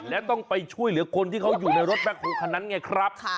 และต้องไปช่วยเหลือคนที่เขาอยู่ในรถแคคโฮลคันนั้นไงครับ